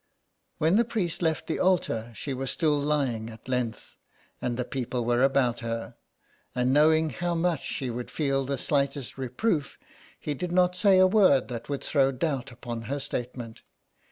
When the priest left the altar she was still lying at length, and the people were about her ; and knowing how much she would feel the slightest reproof, he did not say a word that would throw doubt on her statement.